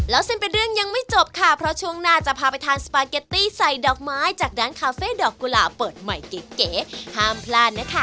แล้วเส้นเป็นเรื่องยังไม่จบค่ะเพราะช่วงหน้าจะพาไปทานสปาเกตตี้ใส่ดอกไม้จากร้านคาเฟ่ดอกกุหลาบเปิดใหม่เก๋ห้ามพลาดนะคะ